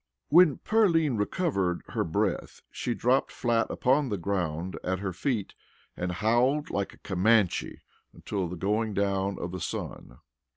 "] When Pearline recovered her breath she dropped flat upon the ground at her feet and howled like a Comanche until the going down of the sun.